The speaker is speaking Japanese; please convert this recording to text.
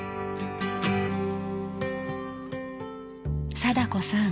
貞子さん